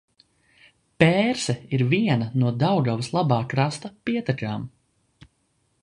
Pērse ir viena no Daugavas labā krasta pietekām.